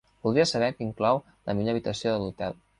Voldria saber que inclou la millor habitació de l'hotel.